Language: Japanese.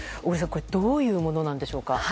これはどういうものでしょうか。